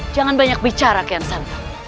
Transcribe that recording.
jangan banyak bicara kian santang